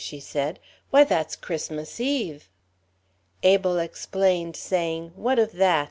she said, "Why, that's Christmas eve!" Abel explained, saying, "What of that?"